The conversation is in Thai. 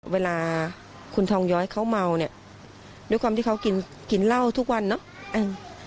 เวลาคุณทองย้อยเขาเมาเนี่ยด้วยความที่เขากินกินเหล้าทุกวันเนอะ